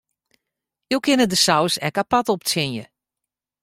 Jo kinne de saus ek apart optsjinje.